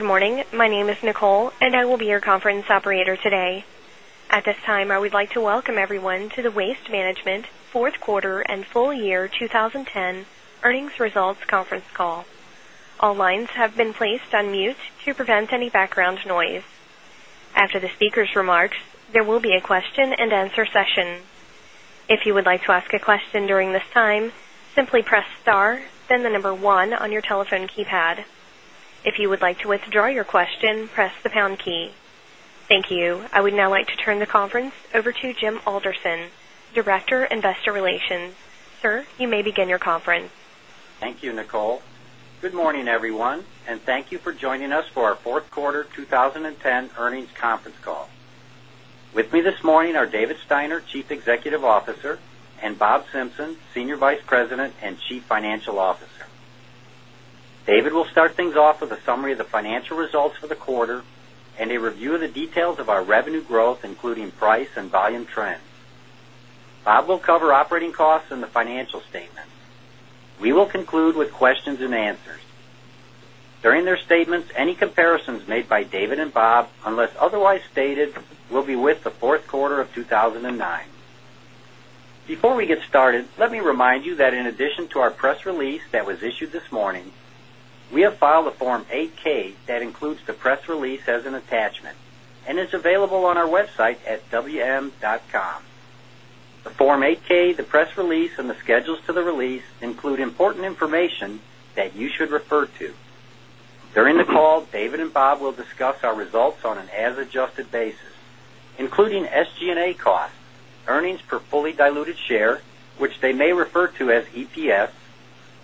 Good morning. My name is Nicole, and I will be your conference operator today. At this time, I would like to welcome everyone to the Waste Management 4th Quarter and Full Year 20 10 Earnings Results Conference Call. All lines have been placed on mute to prevent any background noise. After the speakers' remarks, there will be a question and answer session. Thank you. I would now like to turn the conference over to Jim Alderson, Director, Investor Relations. Sir, you may begin your conference. Thank you, Nicole. Good morning, everyone, and thank you for joining us for our Q4 2010 earnings conference call. With me this morning are David Steiner, Chief Executive Officer and Bob Simpson, Senior Vice President and Chief Financial Officer. David will start things off with a summary of the financial results for the quarter and a review of the details of our revenue growth, including price and volume trends. Bob will cover operating costs and the financial statements. We will conclude with questions and answers. During their statements, any comparisons made by David and Bob, unless otherwise stated, will be with the Q4 of 2019. Before we get started, let me remind you that in addition to our press release that was issued this morning, we have filed a Form 8 ks that includes the press release as an attachment and is available on our website at wm.com. The Form 8 ks, the press release and the schedules to the release include important that you should refer to. During the call, David and Bob will discuss our results on an as adjusted basis, including SG and A costs, earnings per fully diluted share, which they may refer to as EPS,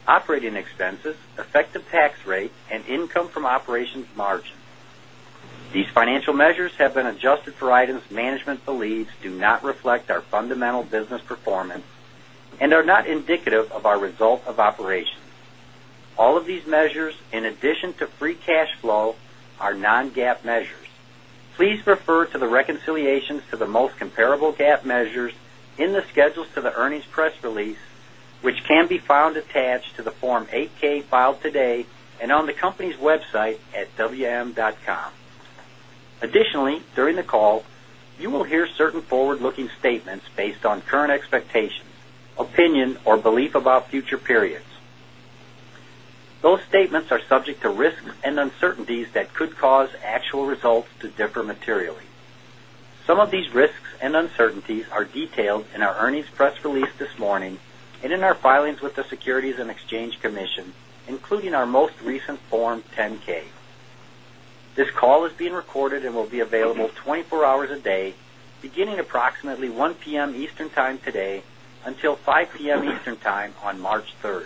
operating expenses, effective tax rate and income from operations margin. These financial measures have been reflect our fundamental business performance and are not indicative of our result of operations. All of these measures, in addition to free cash flow, are non GAAP measures. Please refer to the reconciliations to the most comparable GAAP measures in the schedules to the earnings press release, which can be found attached to the Form 8 ks filed today and on the company's website atwm.com. Additionally, during the call, you will hear certain forward looking statements based on current expectations, opinion or belief about future periods. Those statements are subject to risks and uncertainties that could cause actual results to differ materially. Some of these risks and uncertainties are detailed in our earnings press release this morning and in our filings with the Securities and Exchange Commission, including our most recent Form 10 ks. This call is being recorded and will be available 24 hours a day, beginning approximately 1 p. M. Eastern Time today until 5 p. M. Eastern Time on March 3.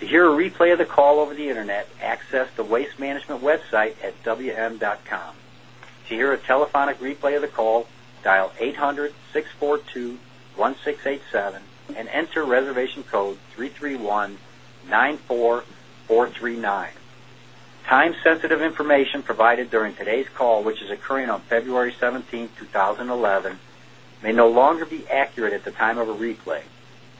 To hear a replay of the call over the Internet, access the Waste Management website at wm.com. To hear a telephonic replay of the call, dial 800-642-1687 and enter reservation code 33,194 39. Time sensitive information provided during today's call, which is occurring on February 17, 2011, may no longer be accurate at the time of a replay.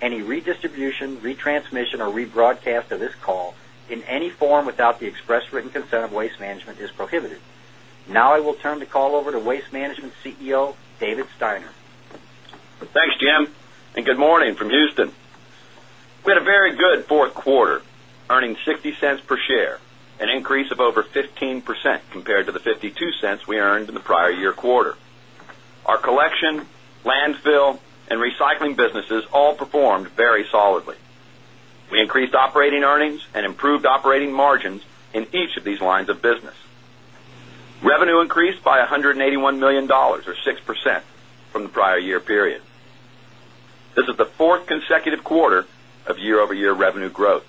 Any redistribution, retransmission or rebroadcast of this call in any form without the expressed written consent of Waste Management is prohibited. Now, I will turn the call over to Waste Management's CEO, David Steiner. Thanks, Jim, and good morning from Houston. We had a very good Q4, earning $0.60 per share, an increase of over 15% compared to the $0.52 we earned in the prior year quarter. Our collection, landfill and recycling businesses all performed very solidly. We increased operating earnings and improved operating margins in each of these lines of business. Revenue increased by $181,000,000 or 6% from the prior year period. This is the 4th consecutive quarter of year over year revenue growth.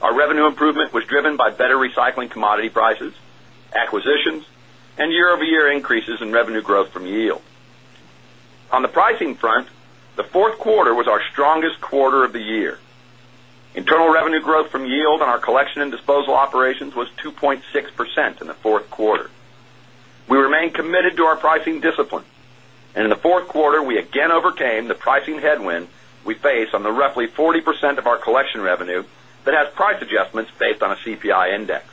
Our revenue improvement was driven by better recycling commodity prices, acquisitions and year over year increases in revenue growth from yield. On the pricing front, the 4th quarter was our strongest quarter of the year. Internal revenue growth from yield on our collection and disposal operations was 2 point 6% in the Q4. We remain committed to our pricing discipline. And in the Q4, we again overcame the pricing headwind we face on the roughly 40% of our collection revenue that has price adjustments based on a CPI index.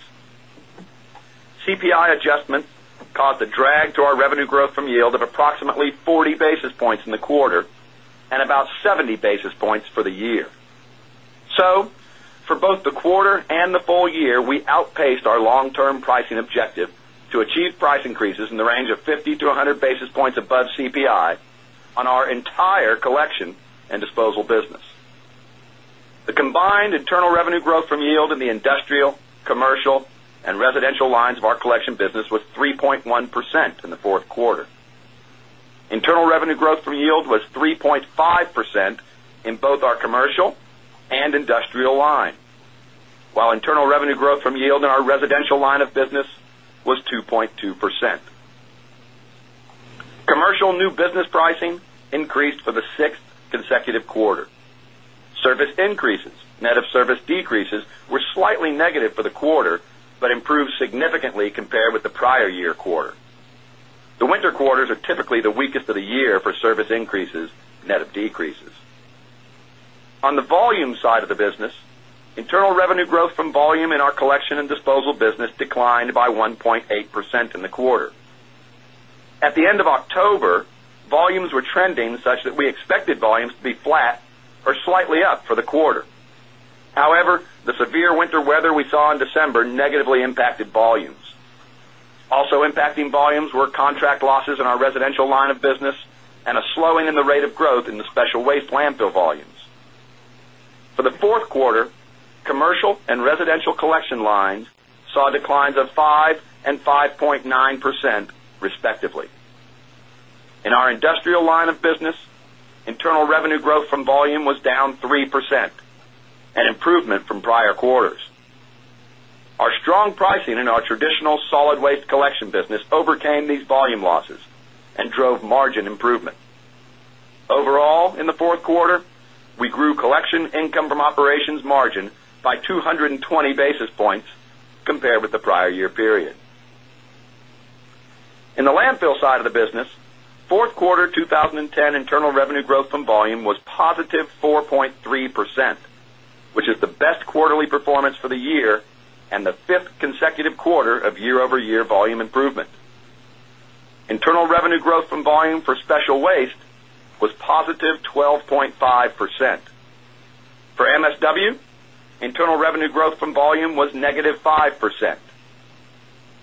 CPI adjustment caused a drag to our revenue growth from yield of approximately 40 basis points in the quarter and about 70 basis points for the year. So for both the quarter and the full year, we outpaced our long term pricing objective to achieve price increases in the range 50 to 100 basis points above CPI on our entire collection and disposal business. The combined internal revenue growth from yield in the industrial, commercial and residential lines of our collection business was 3.1% in the 4th quarter. Internal revenue growth from yield was 3.5% in both our commercial and industrial line. While internal revenue growth from yield in our residential line of business was 2.2%. Commercial new business pricing increased for the 6th consecutive quarter. Service increases, net of service decreases were slightly negative for the quarter, but improved significantly compared with the prior year quarter. The winter quarters are typically the weakest of the year for service increases, net of decreases. On the volume side of the business, internal revenue growth from volume in our collection and disposal business declined by 1.8 percent in the quarter. At the end of October, volumes were trending such that we expected volumes to be flat or slightly up for the quarter. However, the severe winter weather we saw in December negatively impacted volumes. Also impacting volumes were contract losses in our residential line of business and a slowing in the rate of growth in the special waste landfill volumes. For the 4th quarter, commercial and residential collection lines saw declines of 5% and 5.9%, respectively. In our industrial line of business, internal revenue growth from volume was down 3%, an improvement from prior quarters. Our strong pricing in our traditional solid waste collection business overcame these volume losses and drove margin improvement. Overall, in the Q4, we grew collection income from operations margin by 220 basis points compared with the prior year period. In the landfill side of the business, 4th quarter 2010 internal revenue growth from volume was positive 4.3%, which is the best quarterly performance for the year and the 5th consecutive quarter of year over year volume improvement. Internal revenue growth from volume for special waste was positive 12.5%. For MSW, internal revenue growth from volume was negative 5%.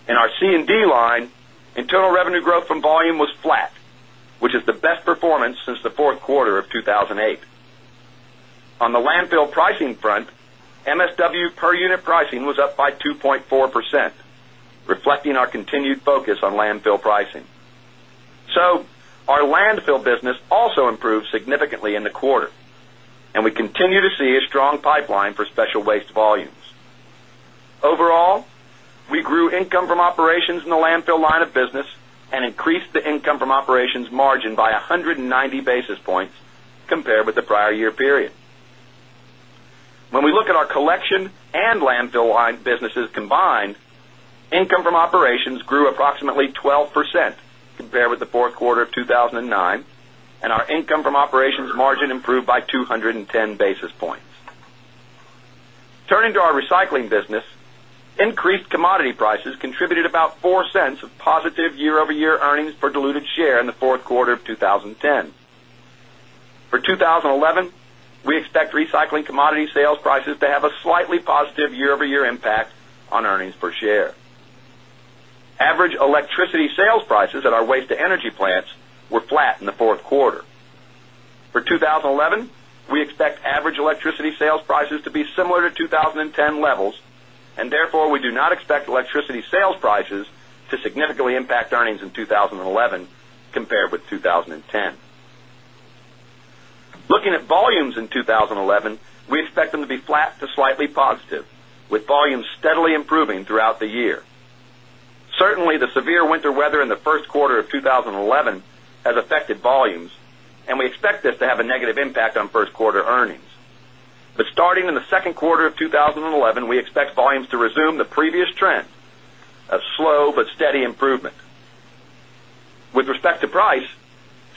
In our C and D line, internal revenue growth from volume was flat, which is the per unit pricing was up by 2 0.4%, reflecting our continued focus on landfill pricing. So our landfill business also improved significantly in the quarter and we continue to see a strong pipeline for special waste volumes. Overall, we grew income from operations in the landfill line of business and increased the income from operations margin by 190 basis points compared with the prior year period. When we look at our collection and landfill line businesses combined, income from operations grew approximately 12% compared with the to our recycling business, increased commodity prices contributed about $0.04 of positive year over year earnings per diluted share in the Q4 of 2010. For 2011, we expect recycling commodity sales prices to have a slightly positive year over year impact on earnings per share. Average electricity sales prices at our waste to energy plants were flat in the 4th quarter. For 2011, we expect average electricity sales prices to be similar to 20.10 levels and therefore we do not expect electricity sales prices to significantly in 20 11 has affected volumes and we expect this to have a negative impact on Q1 earnings. But starting in the Q2 of 2011, we expect volumes to resume the previous trend, a slow but steady improvement. With respect to price,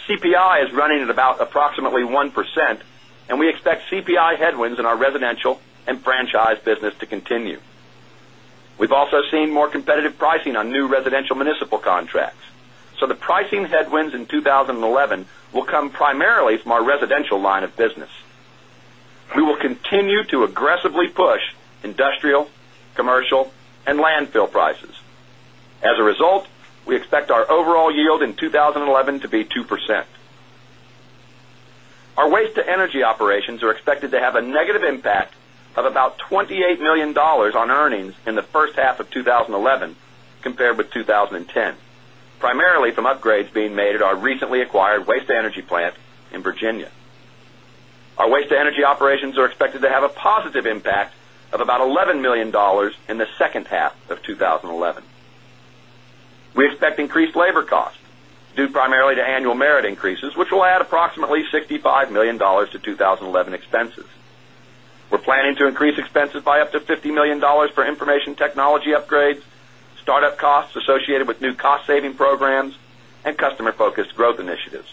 CPI is running at about about We've also seen more competitive pricing on new residential municipal contracts. So the pricing headwinds in 2011 will come primarily from our residential line of business. We will continue to aggressively push industrial, commercial and landfill prices. As a result, we expect our overall yield in 2011 to be 2%. Our waste to energy operations are expected to have a negative impact of about $28,000,000 on earnings in the first half of twenty eleven compared with 2010, primarily from upgrades being made at our recently acquired waste to energy plant in Virginia. Our waste to energy operations are expected to have a positive impact of about $11,000,000 in the second half of twenty eleven. We expect increased labor costs due primarily to annual merit increases, which will add start up costs start up costs associated with new cost saving programs and customer focused growth initiatives.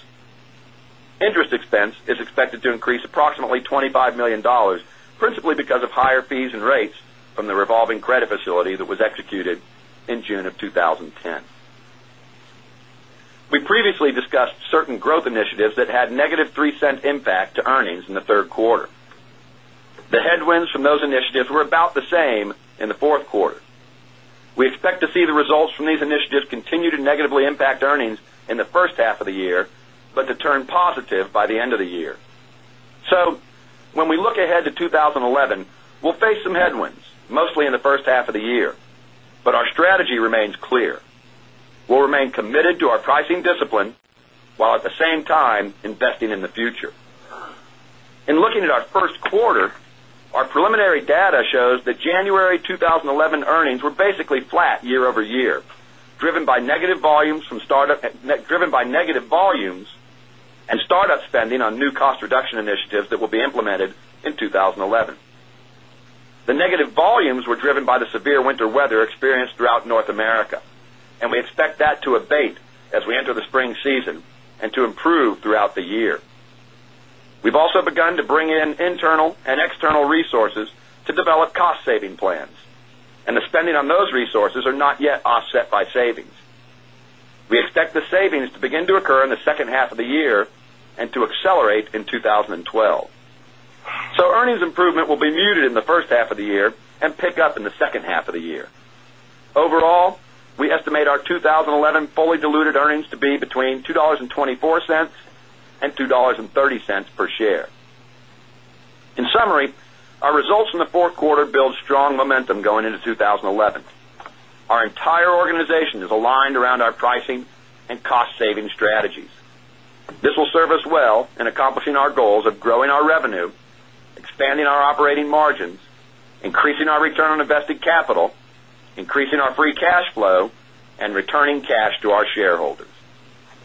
Interest expense is expected to increase approximately $25,000,000 principally because of higher fees and rates from the revolving credit facility that was executed in June of 2010. We previously discussed certain growth initiatives that had negative $0.03 impact to earnings in the Q3. The headwinds from those initiatives were about the same in the 4th quarter. We expect to see the results from these initiatives continue to negatively impact earnings in the first half of the year, but to turn positive by the end of the year. So when we look ahead to 20 11, we'll face some headwinds, mostly in the first half of the year, but our strategy remains clear. We'll remain committed to our pricing discipline, while at the same time, investing in the future. And looking at our Q1, our preliminary data shows that January 2011 earnings were basically flat year over year, driven by negative volumes from start up driven by negative volumes and start up spending on new cost reduction initiatives that will be implemented in 2011. The negative volumes were driven by the severe winter weather experienced throughout North America and we expect that to abate as we enter the spring season and to improve throughout the year. We've also begun to bring in internal and external resources to develop cost saving plans and the spending on those resources are not yet offset by savings. We expect the savings to begin to occur in the second half of the year and to accelerate in 2012. So earnings improvement will be muted in the first half of the year and pick up in the second half of the year. Overall, we estimate our 20 11 fully diluted earnings to be between $2.24 $2.30 per share. In summary, our results in the 4th quarter build strong momentum going into 2011. Our entire organization is aligned around our pricing and cost saving strategies. This will serve us well in accomplishing our goals of growing our revenue, expanding our operating margins, increasing our return on invested capital, increasing our free cash flow and returning cash to our shareholders.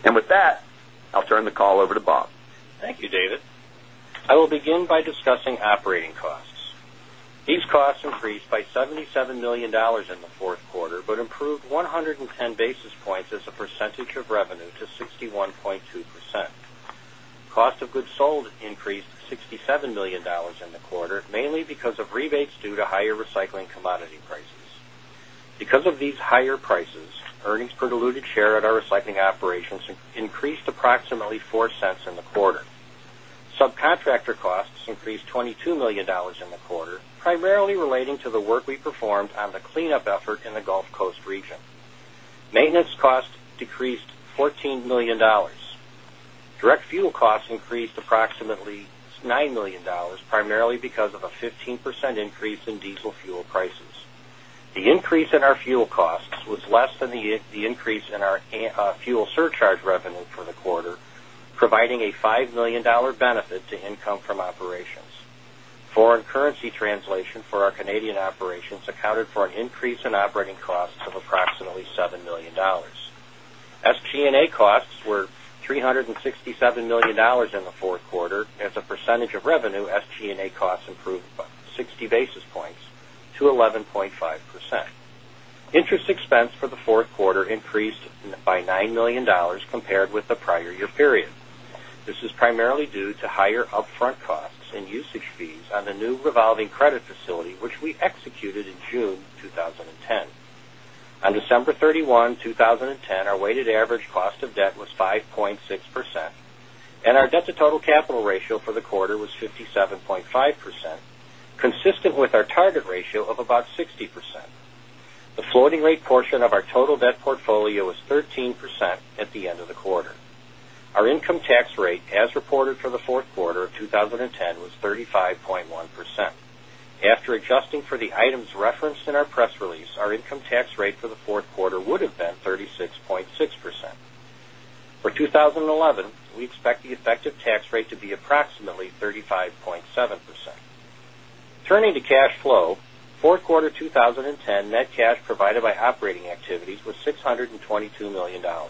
And with that, I'll turn the call over to Bob. Thank you, David. I will begin by discussing operating costs. These costs increased by $77,000,000 in the 4th quarter, but improved 110 basis points as a percentage of revenue to 61.2%. Cost of goods sold increased $67,000,000 in the quarter mainly because of rebates due to higher recycling commodity prices. Because of these higher prices, earnings per diluted share at our recycling operations increased approximately 0 point $2,000,000 in the quarter, primarily relating to the work we performed on the cleanup effort in the Gulf Coast region. Maintenance costs decreased $14,000,000 Direct fuel costs increased approximately $9,000,000 primarily because of a 15% increase in diesel fuel prices. The increase in our fuel costs was less than the increase in our fuel surcharge revenue for the quarter, providing a $5,000,000 benefit to income from operations. Foreign currency translation for our Canadian operations accounted for an increase in operating costs of approximately $7,000,000 SG and A costs were 3 $67,000,000 in the 4th quarter. As a percentage of revenue, SG and A costs improved by 60 basis points to 11 0.5%. Interest expense for the 4th quarter increased by $9,000,000 compared with the prior year period. This is primarily due to higher upfront costs and usage fees on the new revolving credit facility, which we executed in June 2010. On December 31, 2010, our weighted average cost of debt was 5.6% and our debt to total capital ratio for the quarter was 57 0.5% consistent with our target ratio of about 60%. The floating rate portion of our total debt portfolio was 13% at the end of the quarter. Our income tax rate as reported for the Q4 of 2010 was 35.1%. After adjusting for the items referenced in our press release, our income tax rate for the 4th quarter would have been 36.6%. For 2011, we expect the effective tax to be approximately 35.7 percent. Turning to cash flow, 4th quarter cash provided by operating activities was $622,000,000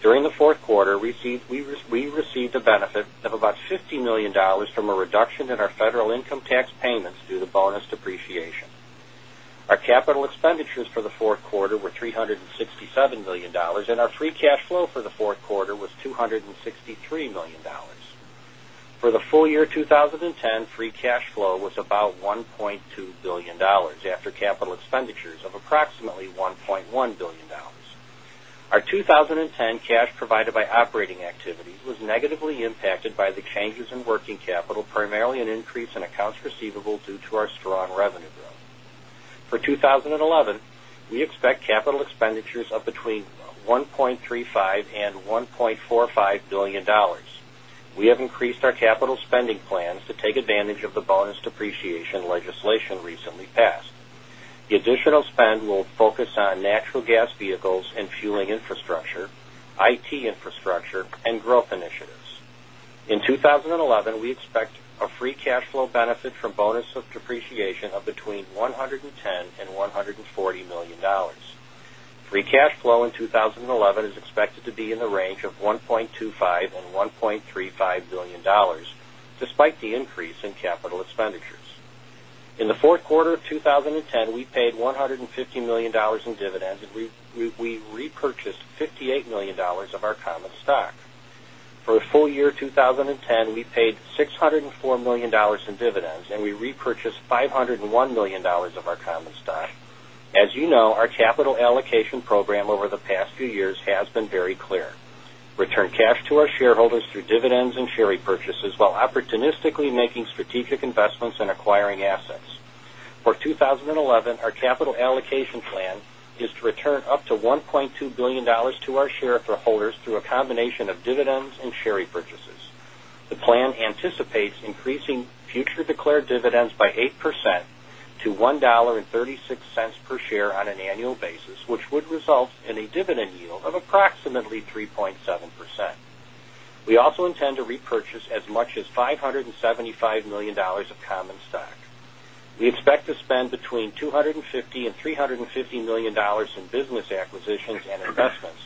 During the Q4, we received a benefit of about $50,000,000 from a reduction in our federal income tax payments due to bonus depreciation. Our capital expenditures for the Q4 were $367,000,000 and our free cash flow for the Q4 was $263,000,000 For the full year 20 10, free cash flow was about $1,200,000,000 after capital expenditures of approximately $1,100,000,000 Our 20 provided by operating activities was negatively impacted by the changes in working capital, primarily an increase in accounts receivable due to our strong revenue growth. For 2011, we expect capital expenditures of between $1,350,000,000 $1,450,000,000 We have increased our capital spending plans to take advantage of the bonus depreciation legislation recently passed. The additional spend will focus on natural gas vehicles and fueling infrastructure, IT infrastructure and growth initiatives. In 2011, we expect a free cash flow benefit from bonus depreciation of between $110,000,000 $140,000,000 Free cash flow in 2011 is expected to be in the range of $1,250,000,000 $1,350,000,000 despite the increase in capital expenditures. In the Q4 of 2010, we paid $150,000,000 in dividends and we repurchased $58,000,000 of our common stock. For the full year 2010, we paid $604,000,000 in dividends and we repurchased $501,000,000 of our common stock. As you know, our capital allocation program over the past few years has been very clear. Return cash to our shareholders through dividends and share repurchases while opportunistically making strategic investments and acquiring assets. For 2011, our capital allocation plan is to return up to $1,200,000,000 to our share of shareholders through a combination of dividends and share repurchases. The plan anticipates increasing future declared dividends by 8% to $1.36 per share on an annual basis, which would result in a dividend yield of approximately 3.7%. We also intend to repurchase as much as $575,000,000 of common stock. We expect to spend between $250,000,000 $350,000,000 in business acquisitions and investments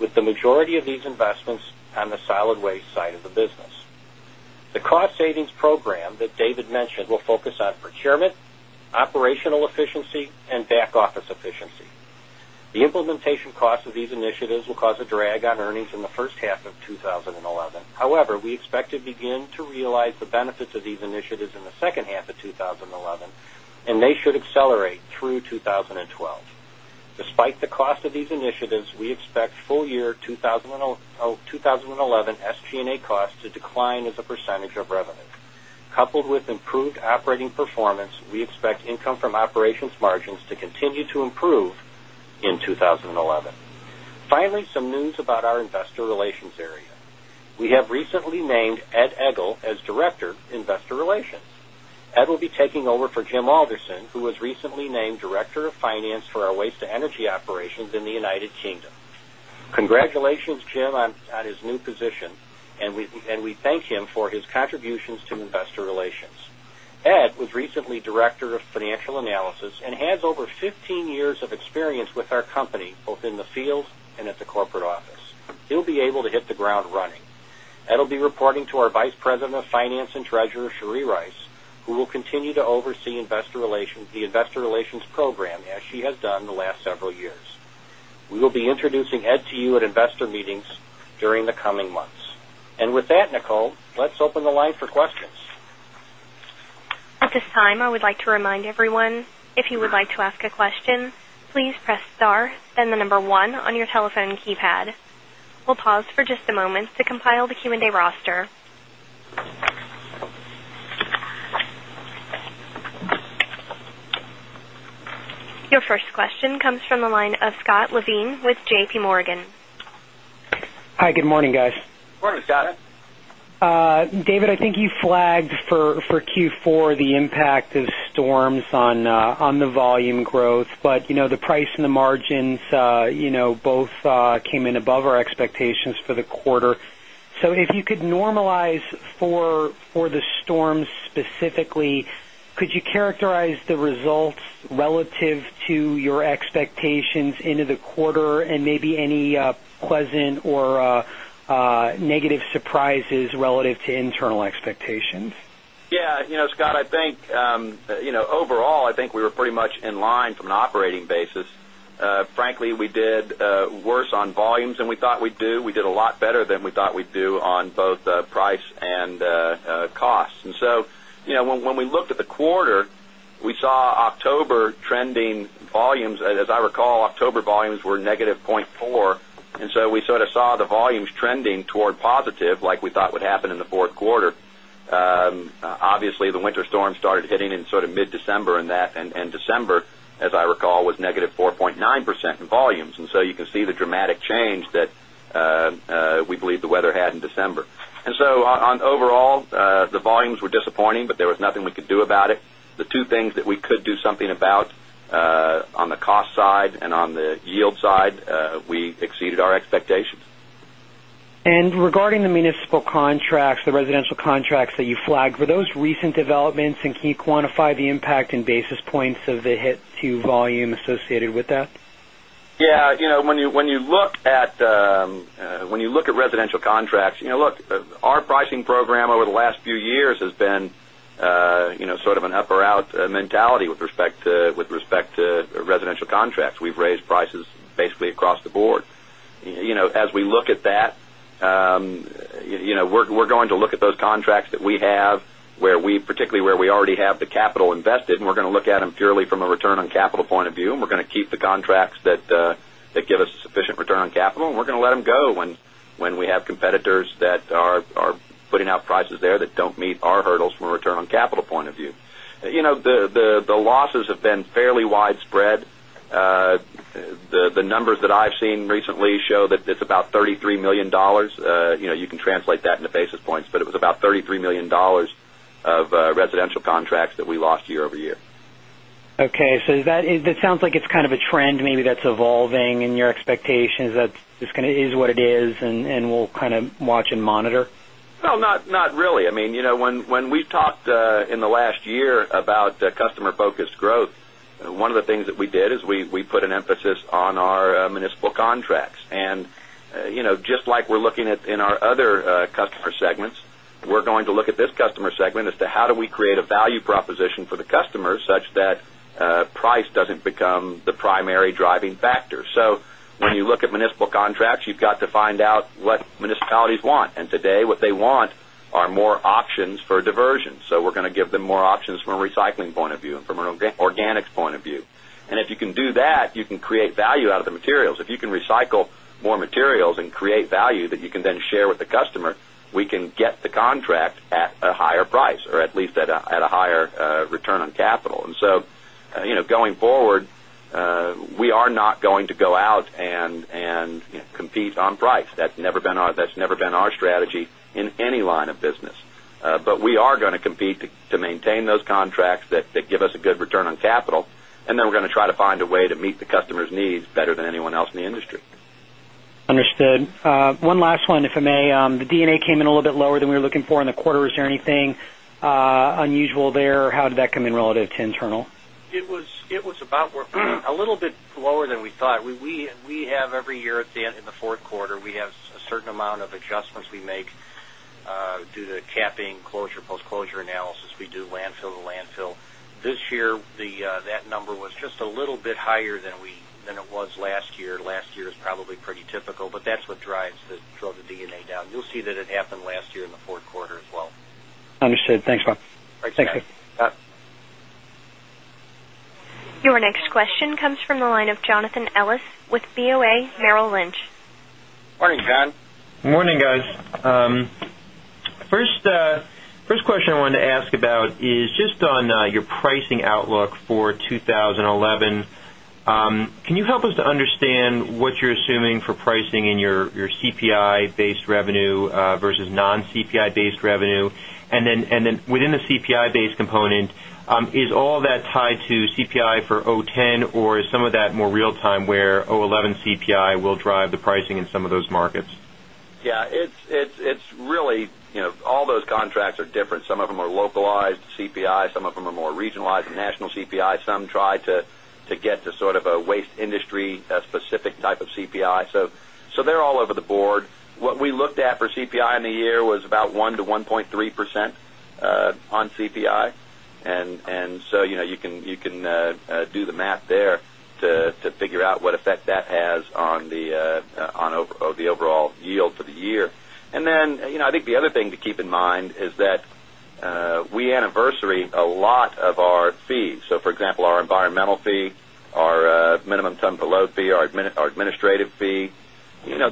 with the majority of these investments on the solid waste side of the business. The cost savings program that David mentioned will focus on procurement, operational efficiency and back office efficiency. The implementation cost of these initiatives will cause a drag on earnings in the first half of twenty eleven. However, we expect to begin to realize the benefits of these initiatives in the second half of twenty eleven and they should accelerate through 2012. Despite the cost of these initiatives, we expect full year 2011 SG and A costs to decline as a percentage of revenue. Coupled with improved operating performance, we expect income from operations margins to continue to improve in 20 11. Finally, some news about our Investor Relations area. We have recently named Ed Egl as Director, Investor Relations. Ed will be taking over for Jim Alderson, who was recently named Director of Finance for our waste to energy operations in the United Kingdom. Congratulations, Jim, on his new position and we thank him for his contributions to Investor Relations. Ed was recently Director of Financial Analysis and has over 15 years of experience with our company, both in the field and at the corporate office. He'll be able to hit the ground running. Ed will be reporting to our Vice President of Finance and Treasurer, Sherry Rice, who will continue to oversee the Investor Relations program as she has done in the last several years. We will be introducing Ed to you at investor meetings during the coming months. And with that, Nicole, let's open the line for questions. Your first question comes from the line of Scott Levine with JPMorgan. Hi, good morning guys. Good morning, Scott. David, I think you flagged for Q4 the impact of storms on the volume growth, but the price and the margins both came in above our expectations for the quarter. So if you could normalize for the storms specifically, could you characterize the results relative to your expectations into the quarter and maybe any pleasant or negative surprises relative to internal expectations? Yes. Scott, I think overall, I think we were pretty much in line from an operating basis. Frankly, we did worse on volumes than we thought we do. We did a lot better than we thought we do on both price and costs. And so when we looked at the quarter, we saw October trending volumes. And as I recall, October volumes were negative 0.4%. And so we sort of saw the volumes trending toward positive like we thought would happen in the Q4. Obviously, the winter storm started hitting in sort of mid December and December, as I recall, was negative 4.9% in volumes. And so you can see the dramatic change that we believe the weather had in December. And so on overall, the volumes were disappointing, but there was nothing we could do about it. The 2 things that we could do something about on the cost side and on the yield side, we exceeded our expectations. And regarding the municipal contracts, the residential contracts that you flagged, were those recent developments and can you quantify the impact in basis points of the hit to volume associated with that? Yes. When you look at residential contracts, look, our pricing program over the last few years has been respect to residential contracts. We've raised prices basically across the board. Particularly where we already where we particularly where we already have the capital invested and we're going to look at them purely from a return on capital point of view and we're going to keep the contracts that give us sufficient return on capital and we're going to let them go when we have competitors that are putting out prices there that don't meet our hurdles from a return on capital point of view. The losses have been fairly widespread. The numbers that I've seen recently show that it's about $33,000,000 You can translate that into basis points, but it was about $33,000,000 of residential contracts that we lost year over year. Okay. So that sounds like it's kind of trend maybe that's evolving in your expectations. That's just kind of is what it is and we'll kind of watch and monitor? No, not really. I mean, when we've talked in the last year about customer focused growth, one of the things that we did is we put an emphasis on our municipal contracts. And just like we're looking at in our other customer segments, we're going to look at this customer segment as to how do we create a value proposition for the customers such that price doesn't become the primary driving factor. So when you look at municipal contracts, you've got to find out what municipalities want. And today, what they want are more options for diversion. So we're going to give them more options from a recycling point of view and from an organics point of view. And if you can do that, you can create value out of the materials. If you can recycle more materials and create value that you can then share with the customer, we can get the contract at a higher price or at least at a higher return on capital. And so going forward, we are not going to go out and compete on price. That's never been our strategy in any line of business. But we are going to compete to maintain those contracts that give us a good return on capital, and then we're going to try to find a way to meet the customers' needs better than anyone else in the Understood. One last one, if I may. The D and A came in a little bit lower than we were looking for in the quarter. Is there anything unusual there? How did that come in relative to internal? It was about a little bit lower than we thought. We have every year in Q4, we have a certain amount of adjustments we make due to capping closure, post closure analysis. We do landfill to landfill. This year, that number was just a little bit higher than it was last year. Last year is probably pretty typical, that's what drives the drove the DNA down. You'll see that it happened last year in Q4 as well. Understood. Thanks, Bob. Thanks, Scott. Your next question comes from the line of Jonathan Ellis with BoA Merrill Lynch. Good morning, John. Good morning, guys. First question I wanted to ask about is just on your pricing outlook for 2011. Can you help us to understand what you're assuming for pricing in your CPI based revenue versus non CPI based revenue? And then within the CPI based component, is all that tied to CPI for 'ten or is some of that more real time where 2011 CPI will drive the pricing in some of those markets? Yes, it's really all those contracts are different. Some of them are localized CPI, some of them are more regionalized and national CPI, some try to get to sort of a waste industry specific type of CPI. So they're all over the board. What we looked at for CPI in the year was about 1% to 1.3% on CPI. And so you can do the math there to figure out what effect that has on the overall yield for the year. And then I think the other thing to keep in mind is that we anniversary a lot of our fees. So for example, our environmental fee, our minimum ton below fee, our administrative fee,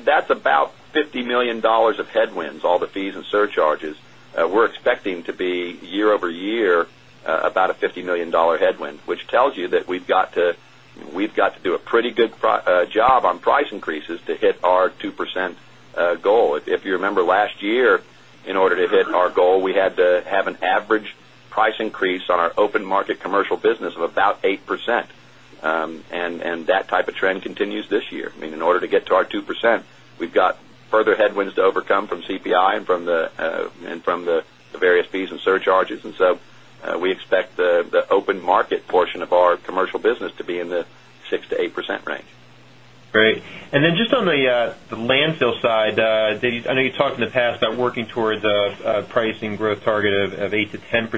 that's about $50,000,000 of headwinds, all the fees and surcharges. We're expecting to be year over year about a $50,000,000 headwind, which tells you that we've got to do a pretty good job on price increases to hit our 2% goal. If you remember last year, in order to hit our goal, we had to have an average price increase on our open market commercial business of about 8%. And that type of trend continues this year. I mean, in order to get to our 2%, we've got further headwinds to overcome from CPI and from the various fees and surcharges. And so we expect the open market portion of our commercial business to be in the 6% to 8% range. Great. And then just on the landfill side, I know you talked in the past about working towards a pricing growth target of 8% to 10%.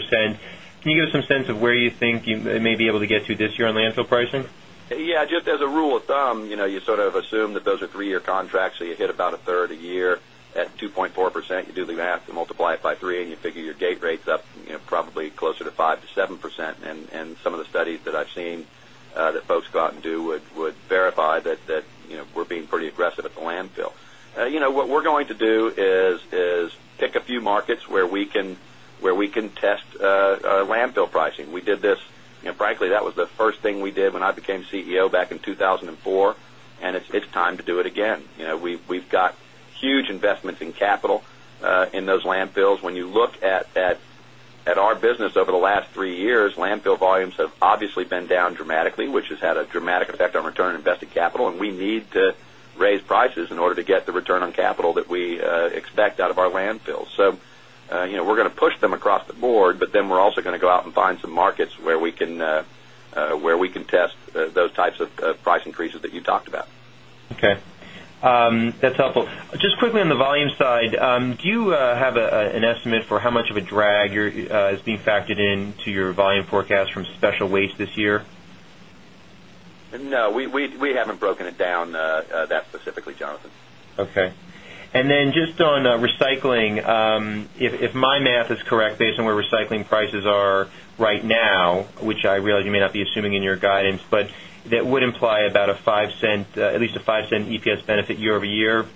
Can you give us some sense of where you think you may be able to get to this year on landfill pricing? Yes. Just as a rule of thumb, you sort of assume that those are 3 year contracts, so you hit about a third a year at 2.4 you do the math to multiply it by 3 and you figure your gate rates up probably closer to 5% to 7%. And some of the studies that I've seen that folks go out and do would verify that we're being pretty aggressive at the landfill. What we're going to do is pick a few markets where we can test landfill pricing. We did this frankly, that was the first thing we did when I became CEO back in 2 1,004, and it's time to do it again. We've got huge investments in capital in those landfills. When you look at our business over the last 3 years, landfill volumes have obviously been down dramatically, which has had a dramatic effect on return on invested capital. And we need to raise prices in order to get the return on capital that we expect out of our landfills. So we're going to push them across the board, but then we're also going to go out and find some markets where we can test those types of price increases that you talked about. Okay. That's helpful. Just quickly on the volume side, do you have an estimate for how much of a drag is being factored in to your volume forecast from special waste this year? No. We Then just on recycling, if my math is correct based on where recycling prices are right now, which I realize you may not be assuming in your guidance, but would imply about a $0.05 at least a $0.05 EPS benefit year over year.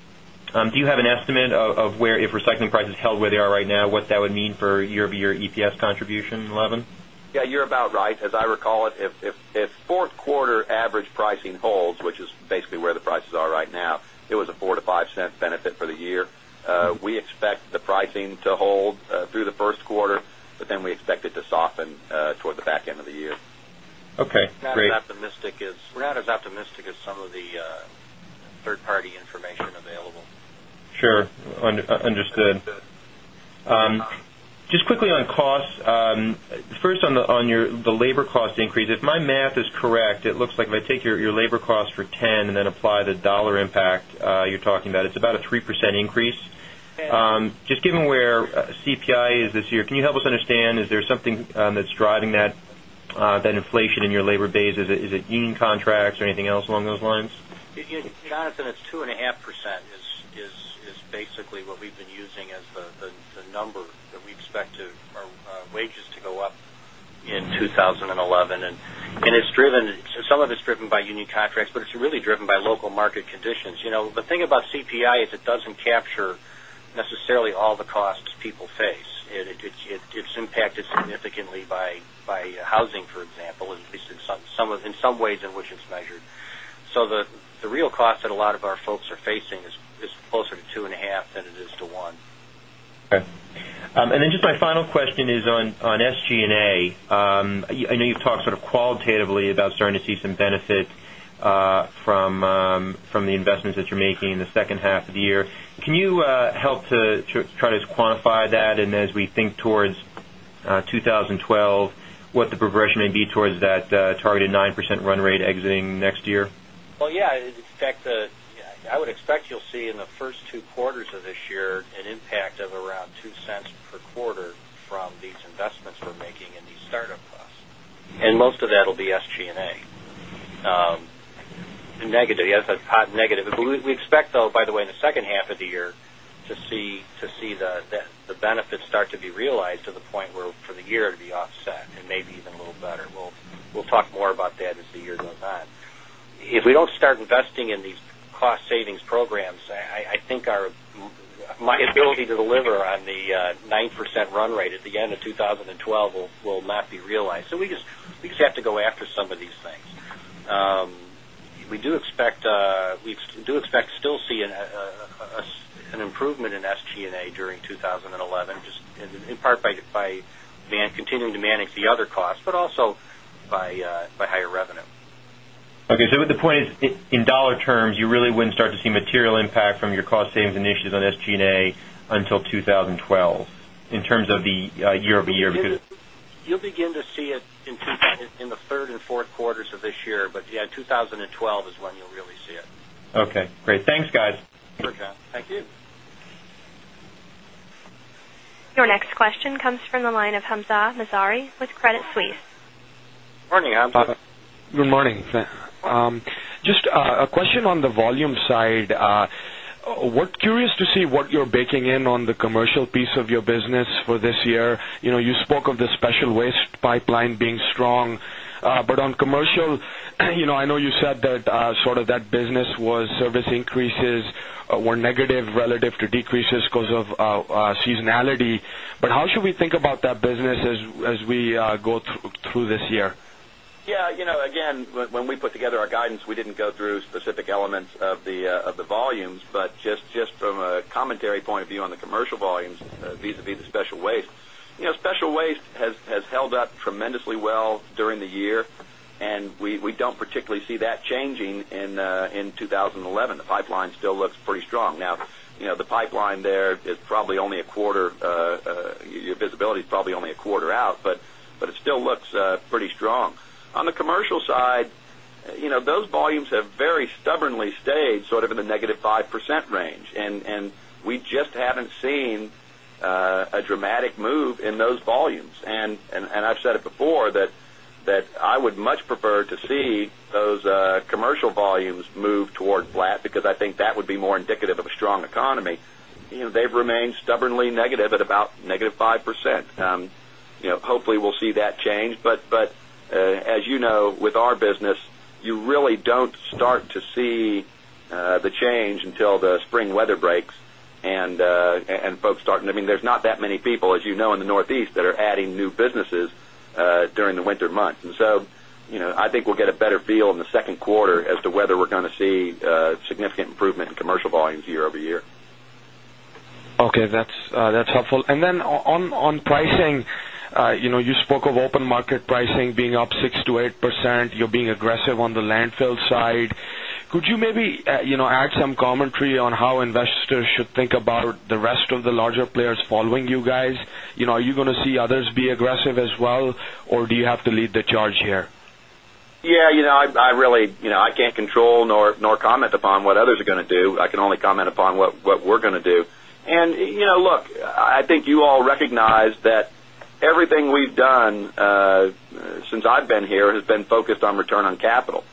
Do you have an estimate of where if recycling prices held where they are right now, what that would mean for year over year EPS contribution, Levon? Yes, you're about right. As I recall it, if 4th quarter average pricing holds, which is basically where the prices are right now, it was a $0.04 to $0.05 benefit for the year. We expect the pricing to hold through the Q1, but then we expect it to soften towards the back end of the year. Okay, great. We're not as optimistic as some of the third party information available. Sure, understood. Just quickly on costs, first on the labor cost increase, if my math is correct, it looks like if I take your labor cost for $10,000,000 and then apply the dollar impact you're talking about, it's about a 3% increase. Just given where CPI is this year, can you help us understand, is there something that's driving that inflation in your labor base? Is it union contracts or anything else along those lines? Jonathan, it's 2.5% is basically what we've been using as the number that we expect our wages to go up in 2011. And it's driven some of it's driven by union contracts, but it's really driven by local market conditions. The thing about CPI is it doesn't capture necessarily all the costs people face. It's impacted significantly by housing, for example, at least in some ways in which it's measured. So the real cost that a lot of our folks are facing is closer to 2.5% than it is to 1%. Okay. And then just my final question is on SG and A. I know you've talked sort of qualitatively about starting to see some from the investments that you're making in the second half of the year. Can you help to try to quantify that? And as we think towards 2012, what the progression may be towards that targeted 9% run rate exiting next year? Well, yes. In fact, I would expect you'll see in the 1st two quarters of this year an impact of around $0.02 per quarter from these investments we're making in these startup costs. And most of that will be SG and A. Negative, yes, but hot negative. We expect though, by the way, in the second half of the to see the benefits start to be realized to the point where for the year to be offset and maybe even a little better. We'll talk more about that as the year goes on. If we don't start investing in these cost savings programs, I think my ability to deliver on the 9% run rate at the end of 2012 will not be realized. So we just have to go after some of these things. We do expect still see an improvement in SG and A during 2011, just in part by continuing to manage the other costs, but also by higher revenue. Okay. So what the point is in dollar terms, you really wouldn't start to see material impact from your cost savings initiatives on SG and A until 2012 in terms of the year over year? You'll begin to see it in the 3rd 4th quarters of this year, but yes, 2012 is when you really see it. Okay, great. Thanks, guys. Okay. Thank you. Your next question comes from the line of Hamzah Mazari with Credit Suisse. Good morning, Hamzah. Good morning. Just a question on the volume side. We're curious to see what you're baking in on the commercial piece of your business for this year. You spoke of the special waste pipeline being strong, but on commercial, I know you said that sort of that business was service increases were negative relative to decreases because of seasonality. But how should we think about that business as we go through this year? Yes. Again, when we put together our guidance, we didn't go through specific elements of the volumes. But just from a commentary point of view on the commercial volumes visavis the special waste, special waste has held up tremendously well during the year and we don't particularly see that changing in 2011. The pipeline still looks pretty strong. Now the pipeline there is probably only a quarter your visibility is probably only a quarter out, but it still looks pretty strong. On the commercial side, those volumes have very stubbornly stayed sort of in the negative 5% range, and we just haven't seen a dramatic move in those volumes. And I've said it before that I would much prefer to see those commercial volumes move toward flat because I think that would be more indicative of a strong economy. They've remained stubbornly negative at about negative 5%. Hopefully, we'll see that change. But as you know, with our business, you really don't start to see the change until the spring weather breaks and folks start I mean, there's not that many people, as you know, in the Northeast that are adding new businesses during the winter months. And so, I think we'll get a better Q2 as to whether we're going to see significant improvement in commercial volumes year over year. Okay. That's helpful. And then on pricing, you spoke of open market pricing being up 6 to 8%. You're being aggressive on the landfill side. Could you maybe add some commentary on how investors should think about the rest of the larger players following you guys? Are you going to see others be aggressive as well or do you have to lead the charge here? Yes, I really I can't control nor comment upon what others are going to do. I can only comment upon what we're going to do. And look, I think you all recognize that everything we've done since I've been here has been focused on return on capital.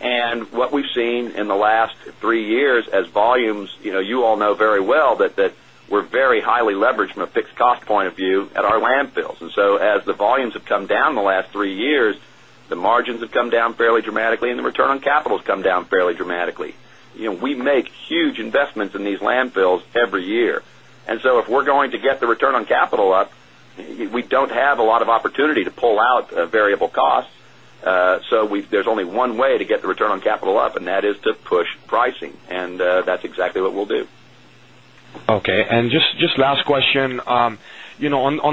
And what we've seen in the last 3 years as volumes you all know very well that we're very highly leveraged from a fixed cost point of view at our landfills. And so as the volumes have come down in the last 3 years, the margins have come down fairly dramatically and the return on capital has come down fairly dramatically. We make huge investments in these landfills every year. And so if we're going to get the return on capital up, we don't have a lot of opportunity to pull out Okay. And just last question. On the waste side, we're going to get the return on capital up and that's exactly what we'll do. Okay. And just last question, on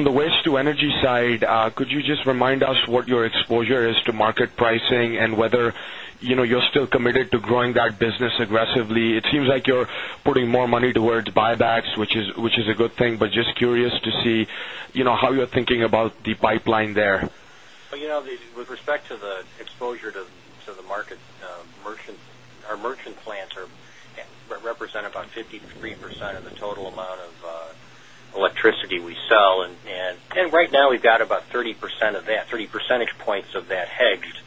the waste to energy side, could you just remind us what your exposure is to market pricing and whether you're still committed to growing that business aggressively? It seems like you're putting more money towards buybacks, which is a good thing, but just curious to see how you're thinking about the pipeline there? With respect to the exposure to the market, merchant our merchant plants are represent about 53% of the total amount of electricity we sell. And right now, we've got about 30 percentage points of that hedged.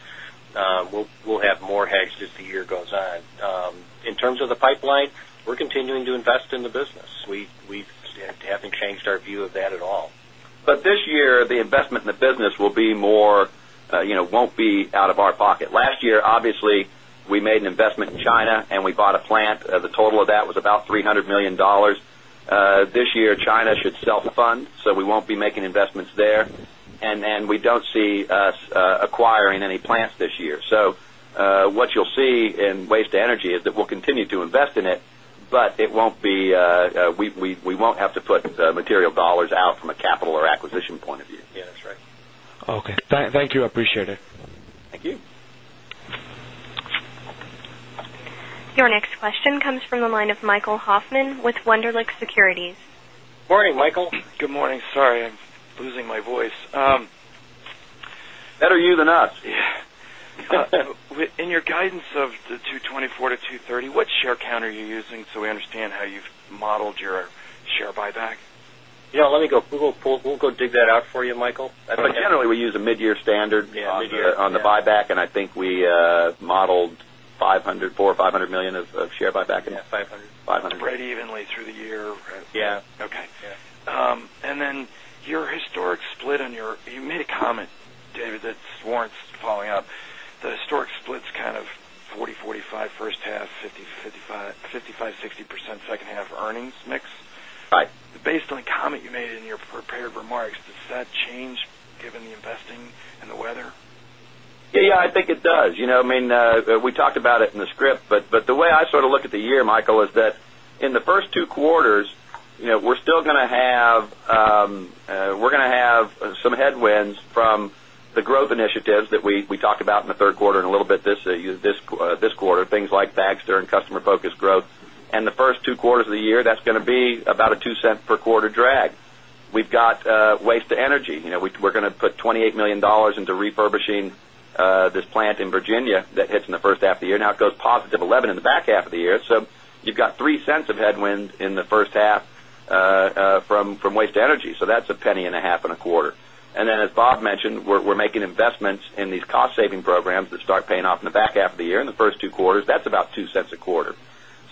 We'll have more hedged as the year goes on. In terms of the pipeline, we're continuing to invest in the business. We haven't changed our view of that at all. But this year, the investment in the business will be more won't be out of our pocket. Last year, obviously, we made an investment in China and we bought a plant. The total of that was about $300,000,000 This year, China should self fund. So we won't be making investments there. And then we don't see us acquiring any plants this year. So what you'll see in waste to energy is that we'll continue to invest in it, but it won't be we won't have to put material dollars out from a capital or acquisition point of view. Yes, that's right. Okay. Thank you. Appreciate it. Thank you. Your next question comes from the line of Michael Hoffman with Wunderlich Securities. Good morning, Michael. Good morning. Sorry, I'm losing my voice. Better you than us. In your guidance of the $224,000,000 to $230,000,000 what share count are you using, so we understand how you've modeled your share buyback? Yes, let me go we'll go dig that out for you, Michael. But generally, we use a midyear standard on the buyback and I think we modeled $500,000,000 $400,000,000 $500,000,000 of share buyback. Yes, dollars 500,000,000 Spread evenly through the year. Yes. Okay. And then your historic split on your you made a comment, David, that warrants following up. The historic split is kind of 40%, 45% first half, 50 5%, 60% second half earnings mix. Based on the comment you made in your prepared remarks, does that change given the investing and the weather? Yes, I think it does. I mean, we talked about it in the script, but the way I sort of look at the year, Michael, is that in the first two quarters, we're still going to have some headwinds from the growth initiatives that we talked about in the Q3 and a little bit this quarter, things like Baxter and customer focused growth. And the 1st two quarters of the year, that's going to be about a0.02 dollars per quarter drag. We've got waste to energy. We're going to put $28,000,000 into refurbishing this plant in Virginia that hits in the first half of the year. Now it goes positive $0.11 in the back half of the year. So you've got $0.03 of headwind in the first half from waste to energy. So that's a $0.01525 And then as Bob mentioned, we're making investments in these cost saving programs that start paying off in the back half of the year. In the first two quarters, that's about $0.02 a quarter.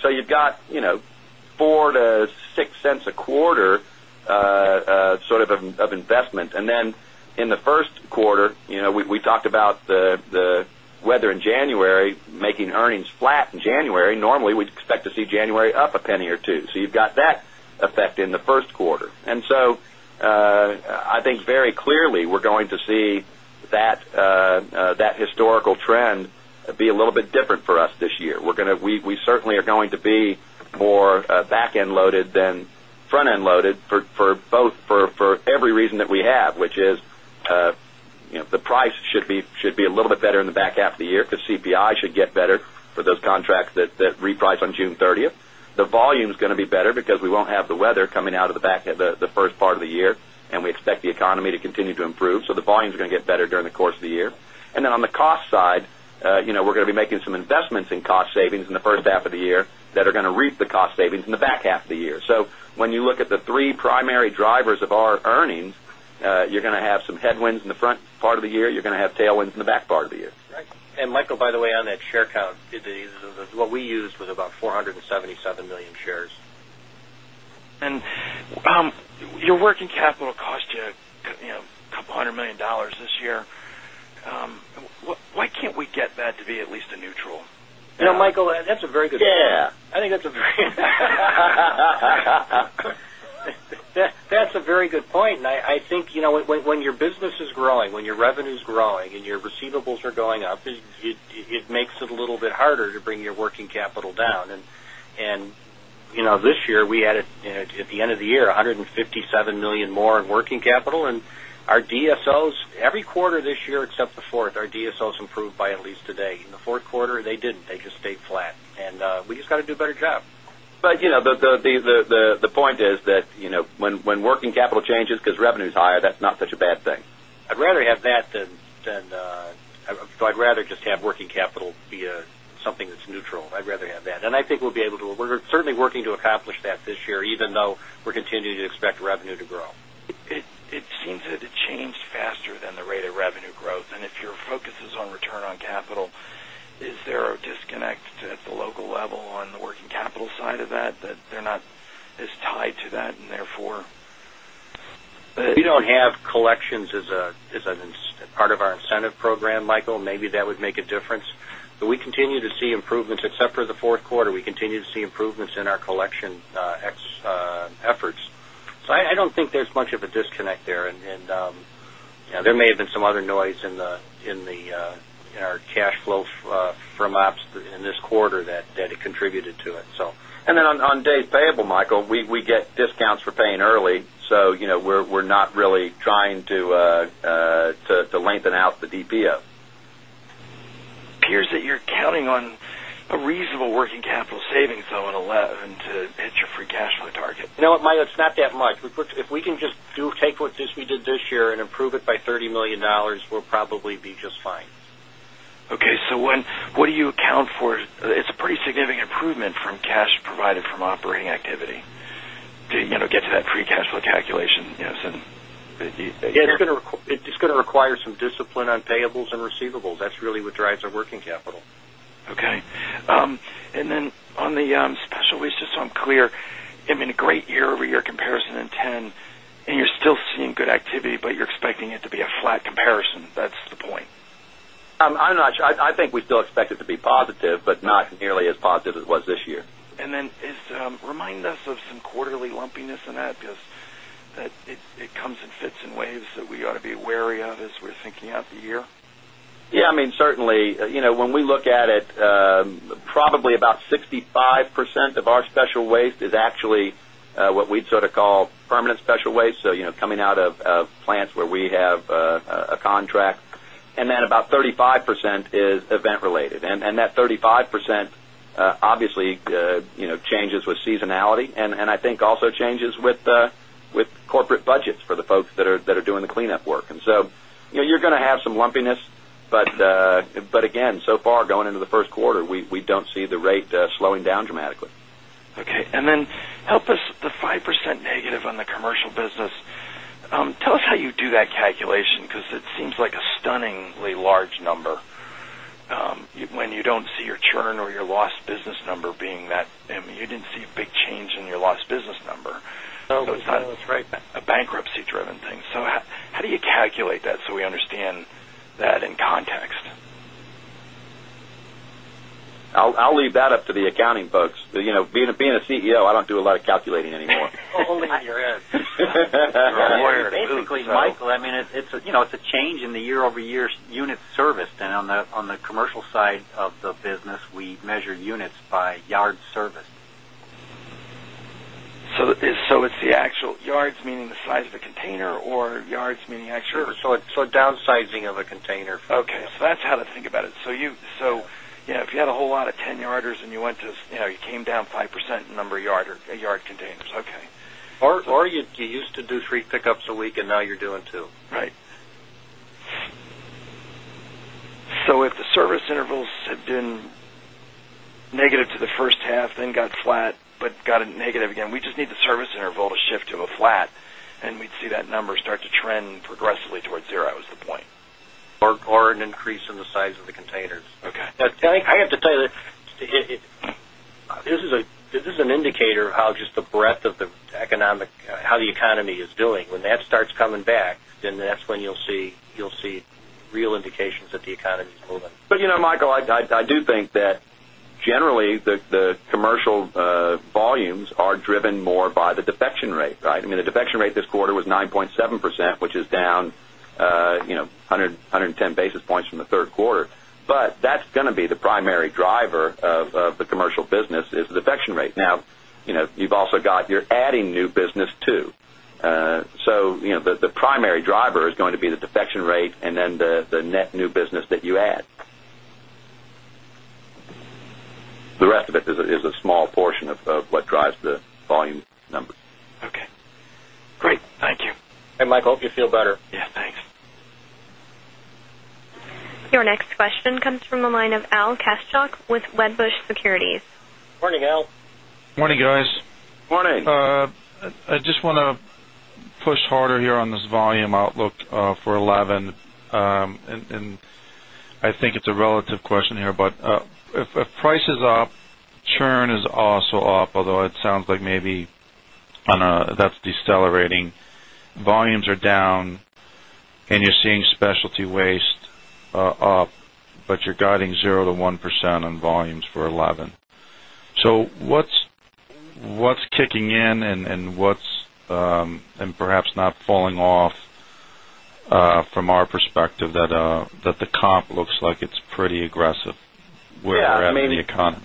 So you've got $0.04 to $0.06 a quarter sort of investment. And then in the Q1, we talked about the weather in January making earnings flat in January. Normally, we'd expect to see January up $0.01 or $0.02 So you've got that effect in the Q1. And so I think very clearly, we're going to see that historical trend be a little bit different for us this year. We certainly are going to be more back end loaded than front end loaded for both for every reason that we have, which is the price should be a little bit better in the back half of the year because CPI should get better for those contracts that reprice on June 30. The volume is going to be better because we won't have the weather coming out of the back of the 1st part of the year, and we expect the economy to continue to improve. So the volume is going to get better during the course of the year. And then on the cost side, we're going to be making some investments in cost savings in the first half of the year that are going to reap the cost savings in the back half of the year. So when you look at the 3 primary drivers of earnings, you're going to have some headwinds in the front part of the year, you're going to have tailwinds in the back part of the year. Right. And Michael, by the way, on that share count, what we used was about 477,000,000 shares. And your working capital cost you a couple of $100,000,000 this year. Why can't we get that to be at least a neutral? Michael, that's a very good Yes. I think that's a very good point. I think when your business is growing, when your revenue is growing, and your receivables are going up, it makes it a little bit harder to bring your working capital down. And this year, we had at the end of the year $157,000,000 more in working capital and our DSOs every quarter this year except the 4th, our DSOs improved by at least today. In the Q4, didn't. They just stayed flat. And we just got to do a better job. But the point is that when working capital changes because revenue is higher, that's not such a bad thing. I'd rather have that than so I'd rather just have working capital be something that's neutral. I'd rather have that. And I think we'll be able to we're certainly working to accomplish that this year, even though we're continuing to expect revenue to grow. It seems that it changed faster than the rate of revenue growth. And if your focus is on return on capital, is there a disconnect at the local level on the working capital side of that that they're not as tied to that and therefore? We don't have collections as a part of our incentive program, Michael, maybe that would make a difference. But we continue to see improvements except for the Q4. We continue to see improvements in our collection efforts. Efforts. So I don't think there's much of a disconnect there. And there may have been some other noise in our cash flow from ops in this quarter that contributed to it. So and then on days payable, Michael, we get discounts for paying early. So we're not really trying to lengthen out the DPO. It appears that you're counting on a reasonable working capital savings though at 11 to hit your free cash flow target. No, it's not that much. If we can just do take what we did this year and improve it by $30,000,000 we'll probably be just fine. Okay. So when what do you account for? It's a pretty significant improvement from cash provided from operating activity to get to that free cash flow calculation. Yes, it's going to require some discipline on 'ten and you're still seeing good activity, but you're expecting it to be a flat comparison, that's the point? I don't know, I think we still expect it to be positive, but not nearly as positive as it was this year. And then, remind us of some quarterly lumpiness in that, because it comes in fits and waves that we ought to be wary of as we're thinking out the year? Yes, I mean, certainly, when we look at it, probably about 65% of our special waste is actually what we'd sort of call permanent special waste, so coming out of plants where we have a contract. And then about 35% is event related. And that 35% obviously changes with seasonality and I think also changes with corporate budgets for the folks that are doing the cleanup work. And so you're going to have some lumpiness, but again, so far going into the Q1, we don't see the rate slowing down dramatically. Okay. And then help us the 5% negative on the commercial business, tell us how you do that calculation because it seems like a stunningly large number When you don't see your churn or your lost business number being that, I mean, you didn't see a big change in your lost business number. No, that's right. So it's not a bankruptcy driven thing. So how do you calculate that, so we understand that in context? I'll leave that up to the accounting folks. Being a CEO, I don't do a lot of calculating anymore. Only here is. Basically, Michael, I mean, it's a change in the year over year unit service. And on the commercial side of the business, we measure units by yard service. So it's the actual yards meaning the size of the container or meaning actual? So downsizing of a container. Okay. So that's how to think about it. So if you had a whole lot of 10 yarders and you came down 5% number of yard containers, okay. Or you used to do 3 pickups a week and now you're doing 2. Right. So if the service intervals have been negative to the first half then got flat, but got a negative again. We just need the service interval to shift to a flat and we'd see that number start to trend progressively towards 0 is the point. Or an increase in the size of the containers. Okay. I have to tell you that this is an indicator of how just the breadth of the economic how the economy is doing. When that starts coming back, then that's when you'll see real indications that the economy is But Michael, I do think that generally the commercial volumes are driven more by the defection rate, right? I mean, the defection rate this quarter was 9.7%, which is down 110 basis points from the 3rd quarter. But that's going to be the primary driver of the commercial business is the defection rate. Now you've also got you're adding new business too. So the primary driver is going to be the defection rate and then the net new business that you add. The rest of it is a small portion of what drives the volume number. Okay, great. Thank you. Hey, Mike, hope you feel better. Yes, thanks. Your next question comes from the line of Al Kaczak with Wedbush Securities. Good morning, Al. Good morning, guys. Good morning. I just want to push harder here on this volume outlook for 11. And I think it's a relative question here. But if price is up, churn is also up although it sounds like maybe that's decelerating. Volumes are down and you're seeing specialty waste up, but you're guiding 0% to 1% on volumes for 11%. So what's kicking in and what's and perhaps not falling off from our perspective that the comp looks like it's pretty aggressive where we're at in the economy?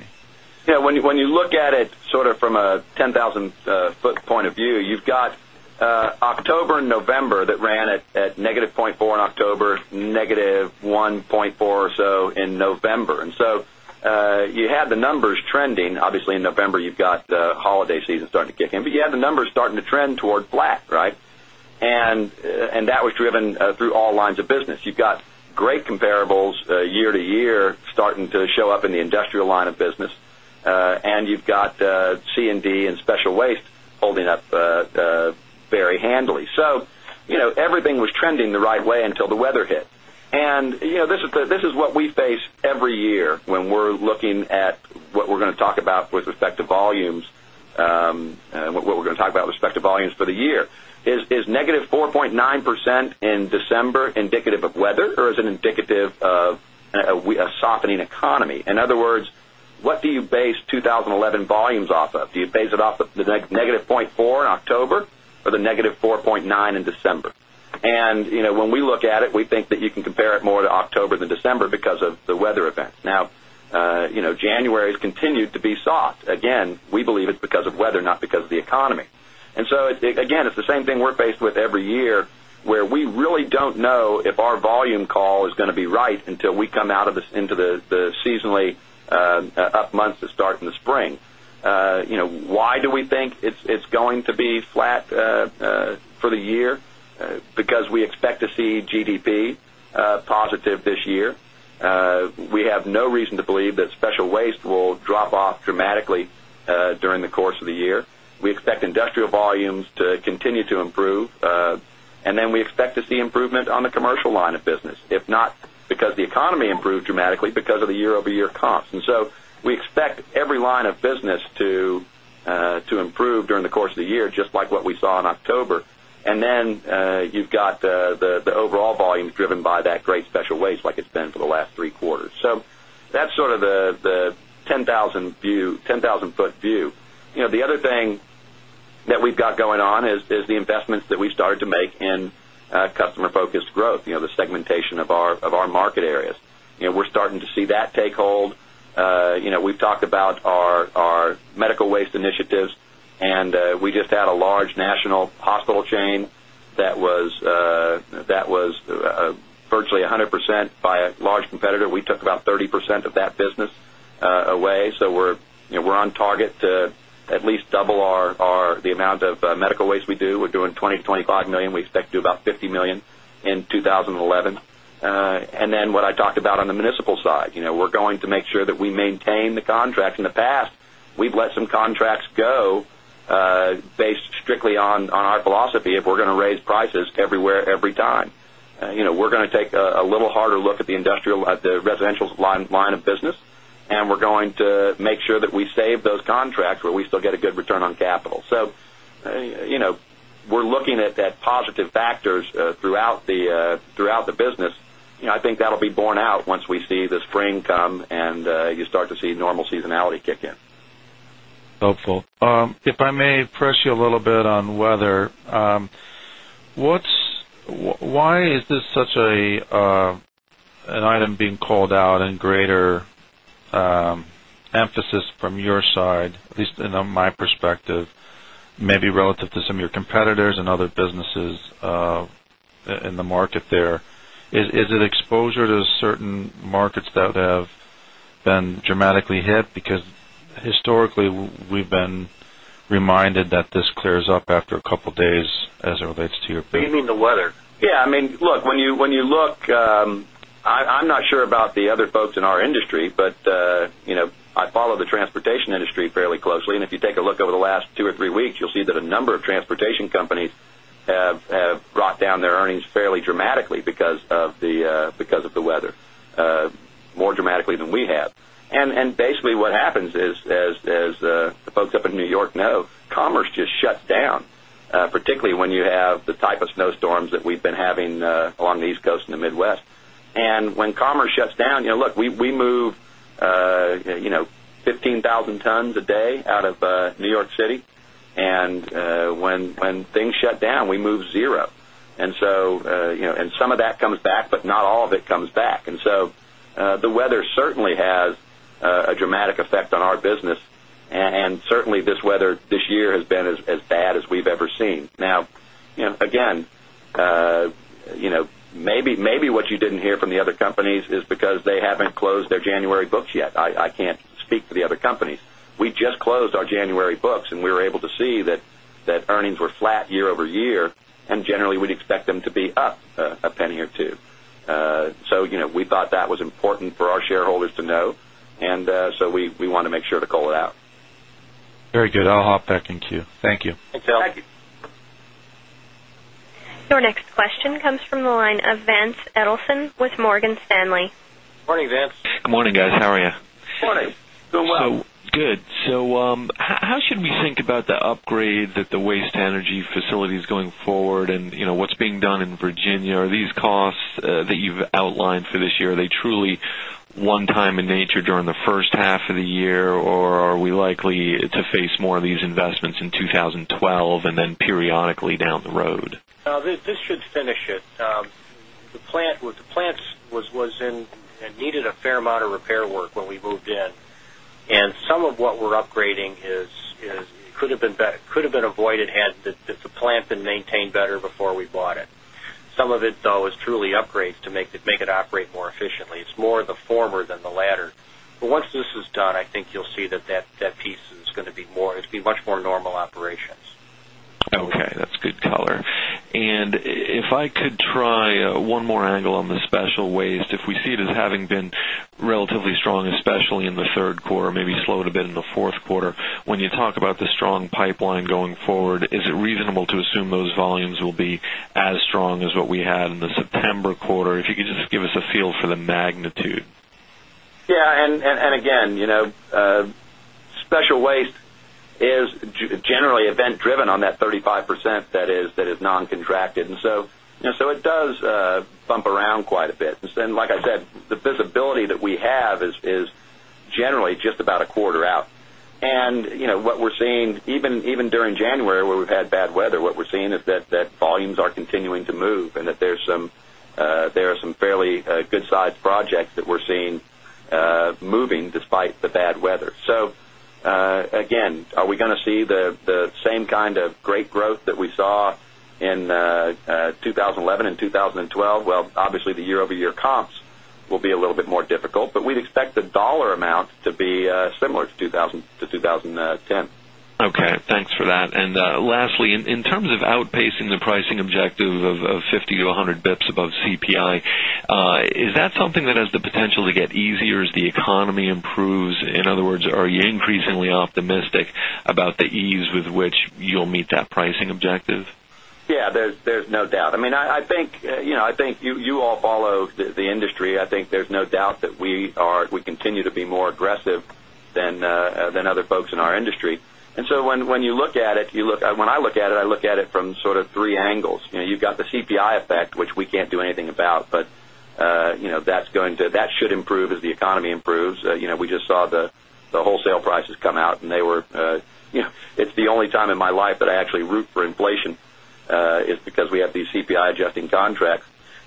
Yes. When you look at it sort of from a 10,000 foot point of view, you've got October November that ran at negative 0.4 in October, negative 1.4 or so in November. And so you had the numbers trending. Obviously, in November, you've got holiday season starting to kick in. But you had the numbers starting to trend toward flat, right? And that was driven through all lines of business. You've got great comparables year to year starting to show up in the industrial line of business. And you've got C and D and special waste holding up very handily. So everything was trending the right way until the weather hit. And this is what we face every year when we're looking at what we're going to talk about with respect to volumes for the year. Is negative 4 0.9% in December indicative of weather? Or is it indicative of a softening economy? In other words, what do you base 2011 volumes off of? Do you base it off the negative 0.4% in October or the negative 4.9% in December? And when we look at it, we think that you can compare it more to October than December because of the weather events. Now January has continued to be soft. Again, we believe it's because of weather, not because of the economy. And so again, it's the same thing we're faced with every year where we really don't know if our volume call is going to be right until we come out of this into the seasonally up months to start in the spring. Why do we think it's going to be flat for the year? Because we expect to see GDP positive this year. We have no reason to believe that special waste will drop off dramatically during the course of the year. We expect industrial volumes to continue to improve. And then we expect to see improvement on the commercial line of business, if not because the economy improved dramatically because of the year over year comps. And so we expect every line of business to improve during the course of the year just like what we saw in October. And then you've got the overall volumes driven by that great special waste like it's been for the last three quarters. So that's sort of the 10,000 foot view. The other thing that we've got going on is the investments that we started to make in customer focused growth, the segmentation of our market areas. We're starting to see that take hold. We've talked about our medical waste initiatives and we just had a large national hospital chain that was virtually 100% by a large competitor. We took about 30% of that business away. So we're on target to at least double our the amount of medical waste we do. We're doing $20,000,000 to $25,000,000 We expect to do about $50,000,000 in 2011. And then what I talked about on the municipal side, we're going to make sure that we maintain the contracts in the past. We've let some contracts go based strictly on our philosophy if we're going to raise prices everywhere every time. We're going to take a little harder look at the industrial the residential line of business, and we're going to make sure that we save those contracts where we still get a good return on capital. So we're looking at that positive factors throughout the business. I think that will be borne out once we see the spring come and you start to see normal seasonality kick in. Helpful. If I may press your why is why is this such an item being called out and greater emphasis from your side, at least in my perspective, maybe relative to some of your competitors and other businesses in the market there, is it exposure to certain markets that have been dramatically hit? Because What do you mean the weather? Yes. I mean look when you look, I'm not sure about the other folks in our industry, but I follow the transportation industry fairly closely. And if you take a look over the last 2 or 3 weeks, you'll see that a number of transportation companies have brought down their earnings fairly dramatically because of the weather, more dramatically than we have. And basically what happens is, as the folks up in New York know, commerce just shuts down, particularly when you have the type of snowstorms that we've been having along the East Coast and the Midwest. And when commerce shuts down, look, we move 15,000 tons a day out of New York City. And when things shut down, we move 0. And so and some of that comes back, but not all of it comes back. And so the weather certainly has a dramatic effect on our business. And certainly, this weather this year has been as bad as we've ever seen. Now again, maybe what you didn't hear from the other companies is because they haven't closed their January books yet. I can't speak for the other companies. We just closed our January books, and we were able to see that earnings were flat year over year. And generally, we'd expect them to be up $0.01 or 2. 2. So we thought that was important for our shareholders to know. And so we want to make sure to call it out. Very good. I'll hop back in queue. Thank you. Thanks, El. Thank you. Your next question comes from the line of Vance Edelson with Morgan Stanley. Good morning, Vance. Good morning, guys. How are you? Good morning. Doing well. Good. So, how should we think about the upgrade that the waste energy facilities going forward and what's being done in Virginia? Are these costs that you've outlined for this year, are they truly one time in nature during the first half of the year or are we likely to face more of these investments in 2012 and then periodically down the road? This should finish it. The plant was in needed a fair amount of repair work when we moved in And some of what we're upgrading is could have been avoided had the plant been maintained better before we bought it. Some of it though is truly upgrades to make it operate more efficiently. It's more of the former than the latter. But once this is done, I think you'll see that that piece is going to be more it's been much more normal operations. Okay. That's good color. And if I could try one more angle on the special waste, if we see it as having been relatively strong, especially in the Q3, maybe slowed a bit in the Q4. When you talk about the strong pipeline going forward, is it reasonable to assume those volumes will be as strong as what we had in the September quarter? If you could just give us a feel for the magnitude? Yes. And again, special waste is generally event driven on that 35% that is non contracted. And so it does bump around quite a bit. And like I said, the visibility that we have is generally just about a quarter out. And what we're seeing even during January where we've had bad weather, what we're seeing is that volumes are continuing to move and that there are some fairly good sized projects that we're seeing moving despite the bad weather. So again, are we going to see the same kind of great growth that we saw in 2011 2012? Well, obviously, the year over year comps will be a little bit more difficult, but we'd expect the dollar amount to be similar to 2010. Okay. Thanks for that. And lastly, in terms of outpacing the pricing objective of 50 to 100 bps above CPI, is that something that has the potential to get easier as objective? Yes, there's no doubt. I mean, I think you all follow the industry. I think there's no doubt that we are we continue to be more aggressive than other folks in our industry. And so when you look at it, you look when I look at it, I look at it from sort of 3 angles. You've got the CPI effect, which we can't do anything about, but that's going to that should improve as the economy improves. We just saw the wholesale prices come out and they were it's the only time in my life that I actually root for inflation is because we have these CPI adjusting contracts.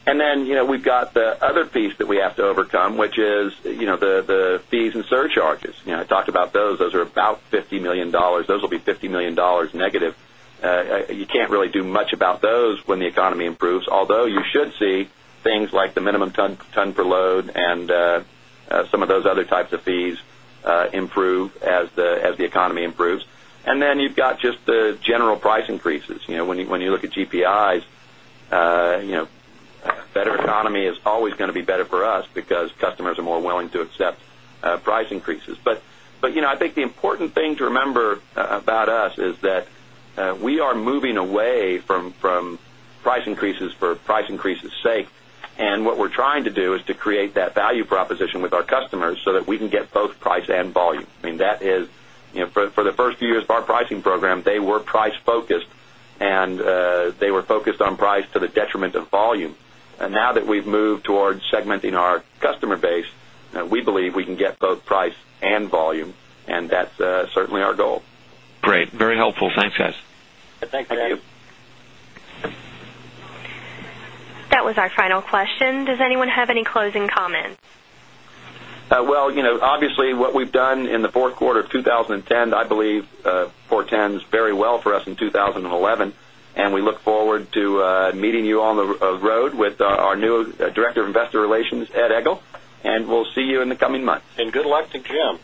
And then we've got the other piece that we have to overcome, which is the fees and surcharges. I talked about those. Those are about $50,000,000 Those will be $50,000,000 negative. You can't really do much about those when the economy improves, although you should see things like the minimum ton per load and some of those other types of fees improve as the economy improves. And then you've got just the general price increases. When you look at GPIs, better economy is always going to be better for us because customers are more willing to accept price increases. But I think the important thing to remember about us is that we are moving away from price increases for price increases' sake. And what we're trying to do is to create that value proposition with our customers first few years of our pricing program, they were price focused and they were focused on price to the detriment of volume. And now that we've moved towards segmenting our customer base, we believe we can get both price and volume, and that's certainly our goal. Great. Very helpful. Thanks, guys. Thanks, Dan. Thank you. That was our final question. Does anyone have any closing comments? Well, obviously, what we've done in the Q4 of 20 10, I believe, 410 is very well for us in 2011. And we look forward to meeting you on the road with our new Director of Investor Relations, Ed Egl. And we'll see you in the coming months. And good luck to Jim.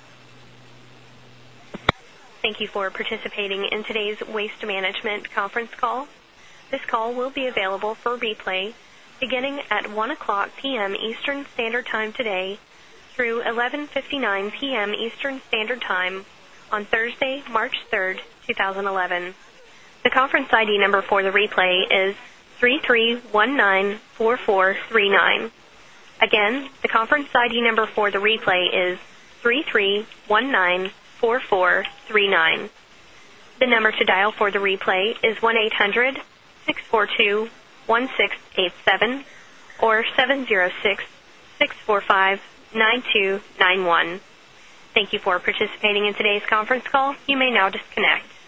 Thank you for participating in today's Waste Management conference call. This call will be available for replay beginning at 1 p. M. Eastern Standard Time today through 11:59 p. M. Eastern Standard Time on Thursday, March 3, 2011. The conference ID number for the replay is 3,319,439. Again, the conference ID number for the replay is 33,194,439. The number to dial for the replay is 1-eight hundred-six forty two-six forty two-six eighty seven or 706 645-9291. Thank you for participating in today's conference call. You may now disconnect.